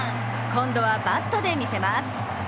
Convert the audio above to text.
今度はバットで見せます。